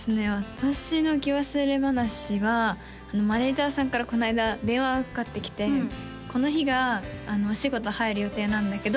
私の置き忘れ話はマネージャーさんからこの間電話がかかってきて「この日がお仕事入る予定なんだけど」